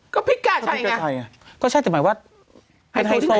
ก็พิษกาชัยอะไงอะก็ใช่แต่หมายว่า